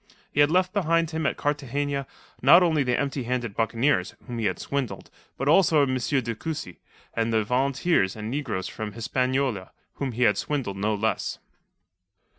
He had left behind him at Cartagena not only the empty handed buccaneers, whom he had swindled, but also M. de Cussy and the volunteers and negroes from Hispaniola, whom he had swindled no less.